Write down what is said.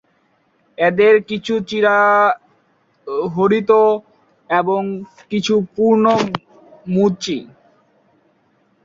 এদের কিছু চিরহরিৎ এবং কিছু পর্ণমোচী।